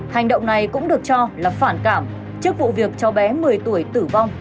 hành động này cũng được cho là phản cảm trước vụ việc cháu bé một mươi tuổi tử vong